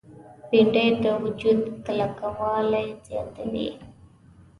بېنډۍ د وجود کلکوالی زیاتوي